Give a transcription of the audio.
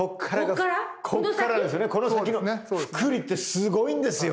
この先の複利ってすごいんですよ。